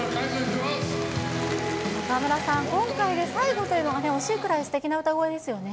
川村さん、今回で最後というのが惜しいくらいすてきな歌声ですよね。